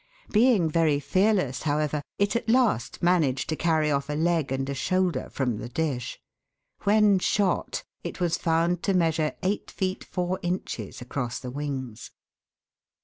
Being very fearless, how ever, it at last managed to carry off a leg and a shoulder from the dish. When shot it was found to measure eight feet four inches across the wings.